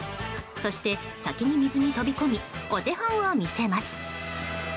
そして、先に水に飛び込みお手本を見せます。